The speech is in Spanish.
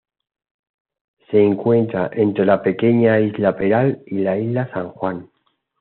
Se encuentra entre la pequeña Isla Peral y la Isla San Juan.